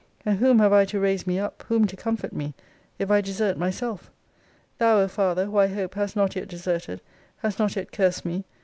And whom have I to raise me up, whom to comfort me, if I desert myself? Thou, O Father, who, I hope, hast not yet deserted, hast not yet cursed me!